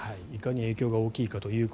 いかに影響が大きいか。